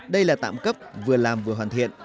đây là tạm cấp vừa làm vừa hoàn thiện